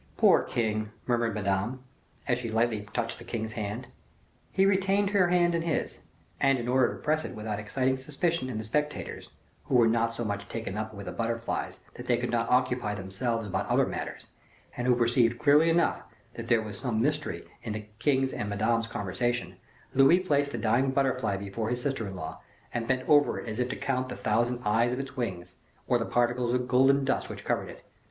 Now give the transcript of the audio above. "Poor king," murmured Madame, as she lightly touched the king's hand. He retained her hand in his, and in order to press it without exciting suspicion in the spectators, who were not so much taken up with the butterflies that they could not occupy themselves about other matters, and who perceived clearly enough that there was some mystery in the king's and Madame's conversation, Louis placed the dying butterfly before his sister in law, and bent over it as if to count the thousand eyes of its wings, or the particles of golden dust which covered it.